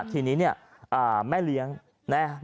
ทีนี้นี้แม่เลี้ยงก็คือเป็นแม่ของผู้ป่าเหตุ